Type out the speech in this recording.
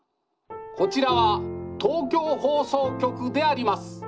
こちらは東京放送局であります。